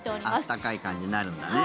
あったかい感じになるんだね。